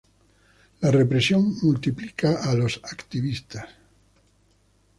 La represión multiplica a los activistas